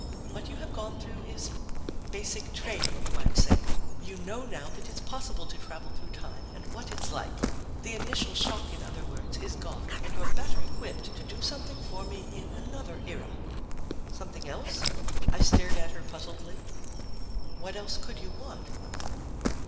What you have gone through is basic training, you might say. You know now that it's possible to travel through time, and what it's like. The initial shock, in other words, is gone and you're better equipped to do something for me in another era." "Something else?" I stared at her puzzledly. "What else could you want?"